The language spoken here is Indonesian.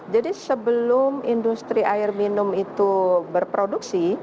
jadi sebelum industri air minum itu berproduksi